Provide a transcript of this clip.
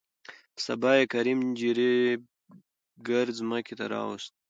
په سبا يې کريم جريب ګر ځمکې ته راوستو.